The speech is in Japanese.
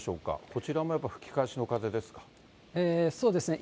こちらもやっぱり吹き返しの風でそうですね。